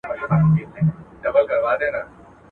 ستا له ښاره قاصد راغی په سرو سترګو یې ژړله !.